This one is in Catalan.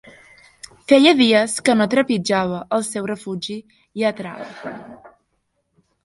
Feia dies que no trepitjava el seu refugi lletrat.